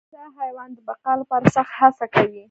دا حیوان د بقا لپاره سخت هڅه کوي.